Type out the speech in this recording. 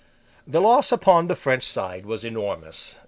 The loss upon the French side was enormous.